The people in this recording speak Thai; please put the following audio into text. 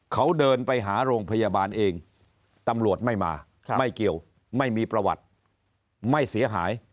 เขาเดินไปหาโรงพยาบาลเองตำรวจไม่มาไม่เกี่ยวไม่มีประวัติไม่เสียหาย